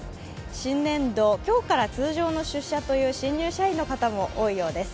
新年度、今日から通常の出社という新入社員の方も多いようです。